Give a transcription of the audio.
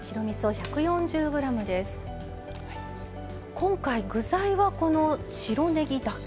今回具材はこの白ねぎだけ。